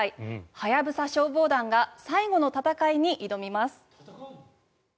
ハヤブサ消防団が最後の闘いに挑みます。